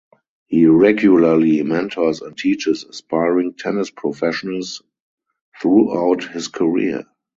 He regularly mentors and teaches aspiring tennis professionals throughout his career.